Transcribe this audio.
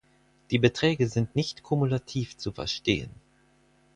Die Beträge sind nicht kumulativ zu verstehen.